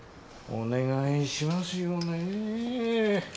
お願いしますよね。